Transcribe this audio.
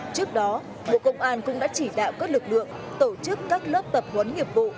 trước đó bộ công an cũng đã chỉ đạo các lực lượng tổ chức các lớp tập huấn nghiệp vụ